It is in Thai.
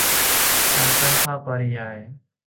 การตั้งค่าปริยาย